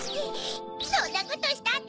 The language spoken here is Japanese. そんなことしたっ